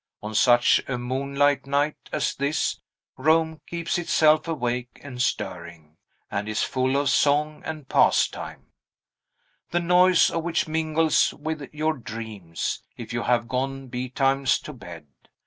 On such a moonlight night as this, Rome keeps itself awake and stirring, and is full of song and pastime, the noise of which mingles with your dreams, if you have gone betimes to bed.